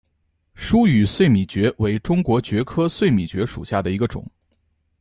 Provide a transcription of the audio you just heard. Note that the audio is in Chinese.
疏羽碎米蕨为中国蕨科碎米蕨属下的一个种。